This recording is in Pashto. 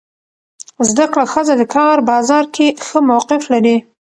زده کړه ښځه د کار بازار کې ښه موقف لري.